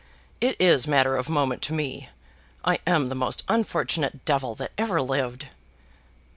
"It is matter of moment to me. I am the most unfortunate devil that ever lived."